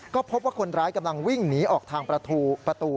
ก็พบว่าคนร้ายกำลังวิ่งหนีออกทางประตู